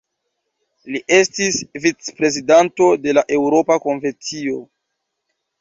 Li estis vicprezidanto de la Eŭropa Konvencio.